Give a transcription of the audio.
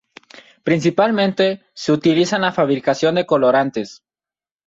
Principalmente, se utiliza en la fabricación de colorantes.